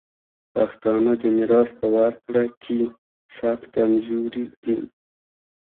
پښتانه د میراث په ورکړه کي سخت کمزوري دي.